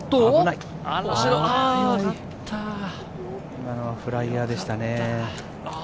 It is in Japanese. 今のはフライヤーでしたね。